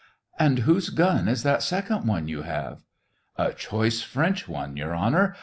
" And whose gun is that second one you have?" . "A choice French one, Your Honor!